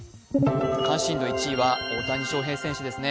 関心度１位は大谷翔平選手ですね。